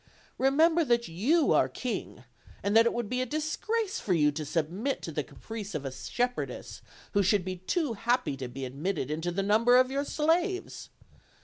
Remember that you are king, and that it would be a disgrace for you to submit to the OLD, OLD FAIRT TALES. 325 caprice of a shepherdess who should be too happy to be admitted into the number of your slaves.